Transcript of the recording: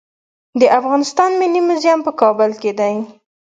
د افغانستان ملي موزیم په کابل کې دی